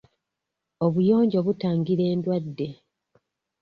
Obuyonjo butangira endwadde .